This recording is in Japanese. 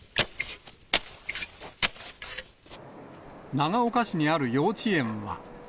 長岡市にある幼稚園は。